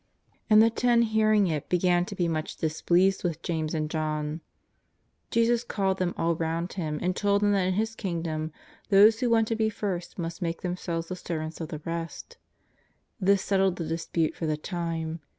And the ten hearing it began to be much displeased with James and John. Je.sus called them all round Him and told them that in His Kingdom those who want to be first must make themselves the servants of the rest. This settled the dispute for the time.